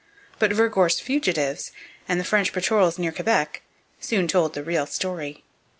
But Vergor's fugitives and the French patrols near Quebec soon told the real story.